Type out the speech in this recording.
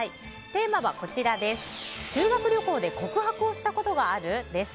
テーマは、修学旅行で告白をしたことがある？です。